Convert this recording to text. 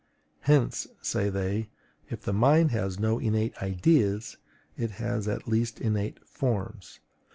Hence, say they, if the mind has no innate IDEAS, it has at least innate FORMS.